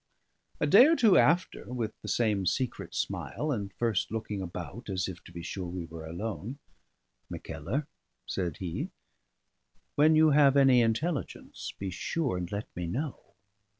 A day or two after, with the same secret smile, and first looking about as if to be sure we were alone, "Mackellar," said he, "when you have any intelligence, be sure and let me know.